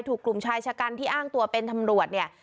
ถูกกลุ่มชายชะกันที่อ้างตัวเป็นตำรวจเนี่ย